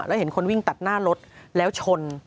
แล้วเห็นคนวิ่งตัดหน้ารถแล้วชน